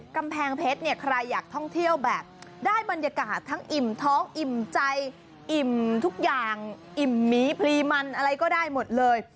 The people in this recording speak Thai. กำแพงเพชรเนี่ยใครอยากท่องเที่ยวแบบได้บรรยากาศทั้งอิ่มท้องอิ่มใจอิ่มทุกอย่างอิ่มหมีพลีมันอะไรก็ได้หมดเลย